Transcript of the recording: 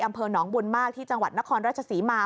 อำเภอหนองบุญมากที่จังหวัดนครราชศรีมา